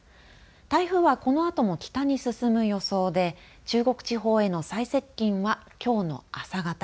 台風はこのあとも北に進む予想で中国地方への最接近はきょうの朝方。